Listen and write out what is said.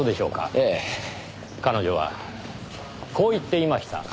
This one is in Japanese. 彼女はこう言っていました。